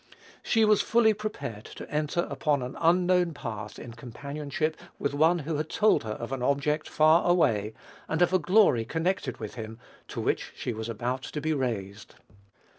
She was fully prepared to enter upon an unknown path in companionship with one who had told her of an object far away, and of a glory connected with him, to which she was about to be raised.